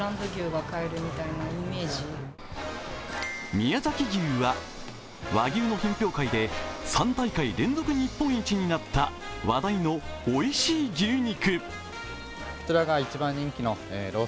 宮崎牛は和牛の品評会で３大会連続日本一になった話題のおいしい牛肉。